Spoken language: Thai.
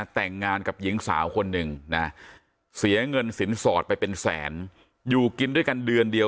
แต่งงานกับหญิงสาวคนหนึ่งนะเสียเงินสินสอดไปเป็นแสนอยู่กินด้วยกันเดือนเดียว